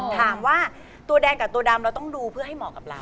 ถามว่าตัวแดงกับตัวดำเราต้องดูเพื่อให้เหมาะกับเรา